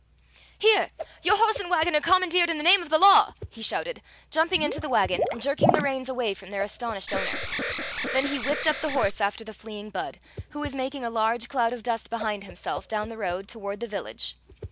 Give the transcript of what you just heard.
"Here! your horse and wagon are commandeered in the name of the law!" he shouted, jumping into the wagon and jerking the reins away from their astonished owner. Then he whipped up the horse after the fleeing Budd, who was making a large cloud of dust behind himself down the road toward the village.